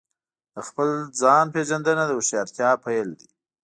د خپل ځان پېژندنه د هوښیارتیا پیل دی.